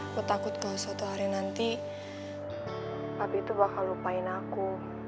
aku takut kalau suatu hari nanti api itu bakal lupain aku